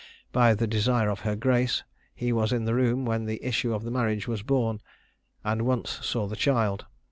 By the desire of her grace, he was in the room when the issue of the marriage was born, and once saw the child.